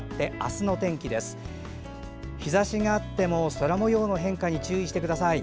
日ざしがあっても空もようの変化に注意してください。